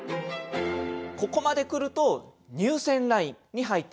ここまで来ると入選ラインに入ってまいります。